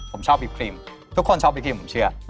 ผมชอบอีกครีมทุกคนชอบบีครีมผมเชื่อ